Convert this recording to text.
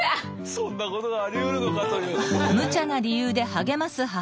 そんなことがありうるのかというね。